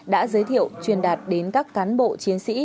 đã giới thiệu truyền đạt đến các cán bộ chiến sĩ